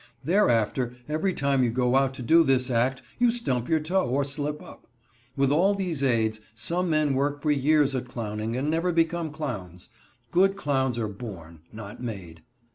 Thereafter, every time you go out to do this act you stump your toe or slip up. With all these aids, some men work for years at clowning, and never become clowns. Good clowns are born, not made.